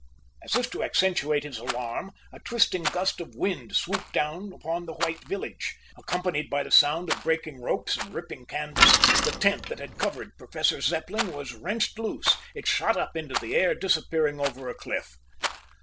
As if to accentuate his alarm, a twisting gust of wind swooped down upon the white village. Accompanied by the sound of breaking ropes and ripping canvas, the tent that had covered Professor Zepplin was wrenched loose. It shot up into the air, disappearing over a cliff.